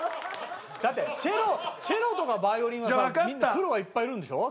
だってチェロとかヴァイオリンはさみんなプロがいっぱいいるんでしょう。